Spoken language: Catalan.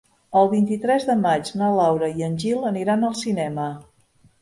El vint-i-tres de maig na Laura i en Gil aniran al cinema.